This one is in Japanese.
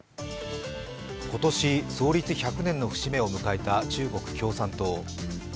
今年創立１００年の節目を迎えた中国共産党。